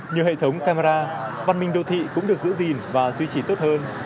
nhiều hệ thống camera văn minh đô thị cũng được giữ gìn và duy trì tốt hơn